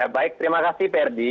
baik terima kasih perdi